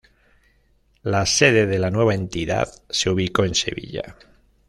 La sede de la nueva entidad se ubicó en Sevilla.